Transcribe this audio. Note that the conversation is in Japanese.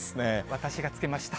私が付けました。